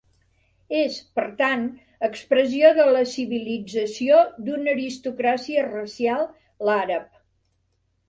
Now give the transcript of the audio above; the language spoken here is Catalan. És, per tant, expressió de la civilització d'una aristocràcia racial, l'àrab.